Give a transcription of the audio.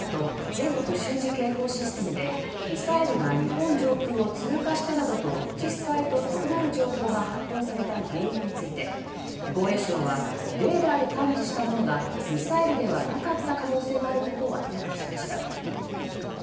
・全国瞬時警報システムでミサイルが日本上空を通過したなどと実際と異なる情報が発表された原因について防衛省はレーダーで探知したものがミサイルではなかった可能性もあることを明らかにしました。